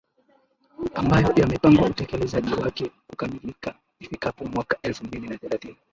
ambayo yamepangwa utekelezaji wake kukamilika ifikapo mwaka elfu mbili na thelathini